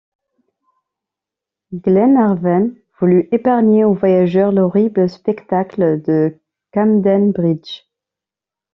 Glenarvan voulut épargner aux voyageuses l’horrible spectacle de Camden-Bridge.